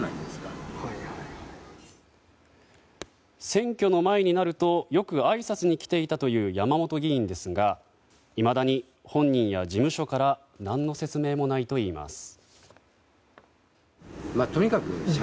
選挙の前になるとよくあいさつに来ていたという山本議員ですがいまだに本人や事務所から何の説明もないといいます。